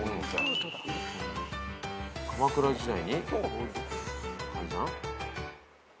鎌倉時代に開山？